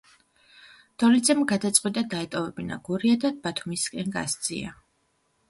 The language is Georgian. დოლიძემ გადაწყვიტა დაეტოვებინა გურია და ბათუმისკენ გასწია.